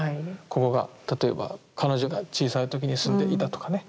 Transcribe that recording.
ここが例えば彼女が小さい時に住んでいたとかね。